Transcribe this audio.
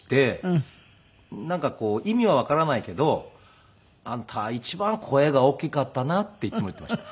なんかこう意味はわからないけど「あんたは一番声が大きかったな」っていつも言ってました。